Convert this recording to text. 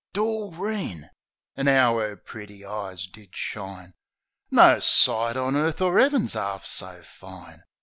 Doreen! Ar 'ow 'er pretty eyes did shine. No sight on earth or 'Eaving's 'arf so fine.